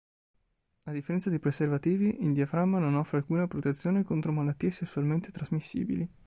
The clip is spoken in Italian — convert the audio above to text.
A differenza dei preservativi, il diaframma non offre alcuna protezione contro malattie sessualmente trasmissibili.